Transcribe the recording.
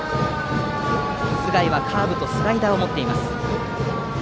須貝はカーブとスライダーを持っています。